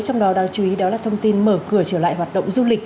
trong đó đáng chú ý đó là thông tin mở cửa trở lại hoạt động du lịch